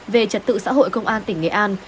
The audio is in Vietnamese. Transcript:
về trật tự xã hội công an tỉnh nghệ an